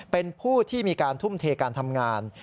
เป็นผู้ที่มีการทุ่มเทการทำงาน